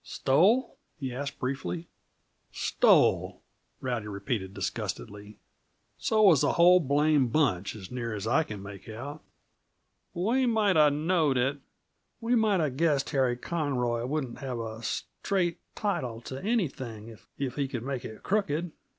"Stole?" he asked briefly. "Stole," Rowdy repeated disgustedly. "So was the whole blame' bunch, as near as I can make out." "We might 'a' knowed it. We might 'a' guessed Harry Conroy wouldn't have a straight title to anything if he could make it crooked.